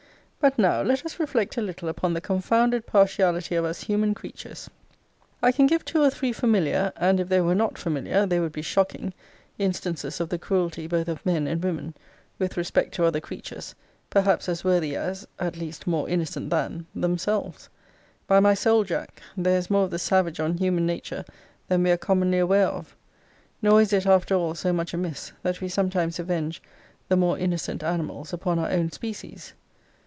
But now let us reflect a little upon the confounded partiality of us human creatures. I can give two or three familiar, and if they were not familiar, they would be shocking, instances of the cruelty both of men and women, with respect to other creatures, perhaps as worthy as (at least more innocent than) themselves. By my soul, Jack, there is more of the savage on human nature than we are commonly aware of. Nor is it, after all, so much amiss, that we sometimes avenge the more innocent animals upon our own species.